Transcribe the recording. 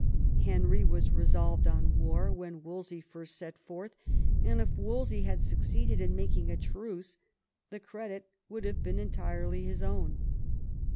Henry was resolved on war when Wolsey first set forth, and if Wolsey had succeeded in making a truce, the credit would have been entirely his own.